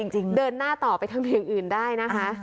เดินหน้าต่อไปทางอย่างอื่นได้นะคะ